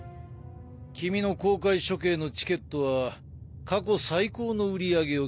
君の公開処刑のチケットは過去最高の売り上げを記録した。